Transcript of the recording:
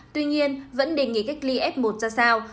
tuy nhiên vẫn đề nghị cách ly f một ra sao